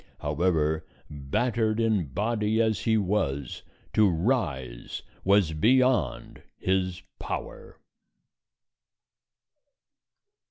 However, battered in body as he was, to rise was beyond his power.